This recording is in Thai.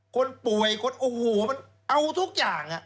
คนป่วยคนโอ้โหมันเอาทุกอย่าง